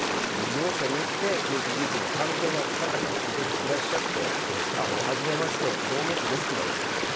事務所に行ってＫｉｎＫｉＫｉｄｓの担当の方が出ていらっしゃってはじめまして、堂本ですって言われたんですよ。